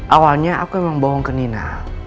awalnya aku memang bohong ke nina